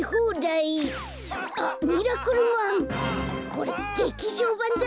これげきじょうばんだ。